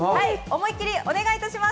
思いっきりお願いします。